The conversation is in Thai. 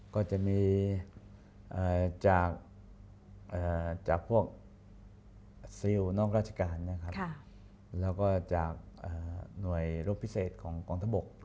ก็จะมีจากพวกซิลนอกราชการนะครับแล้วก็จากหน่วยรบพิเศษของกองทัพบก